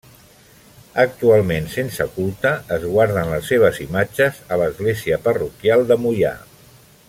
Actualment, sense culte, es guarden les seves imatges a l'església parroquial de Moià.